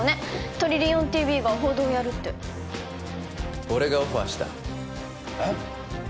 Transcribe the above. トリリオンＴＶが報道やるって俺がオファーしたえっ！？